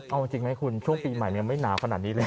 เอาจริงไหมคุณช่วงปีใหม่ยังไม่หนาวขนาดนี้เลย